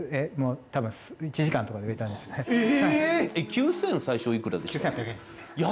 ９０００最初いくらでした？